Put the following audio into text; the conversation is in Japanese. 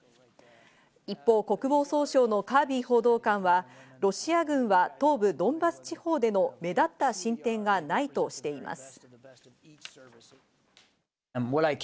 一方、国防総省のカービー報道官は、ロシア軍は東部ドンバス地方での目立った進展がないとしています。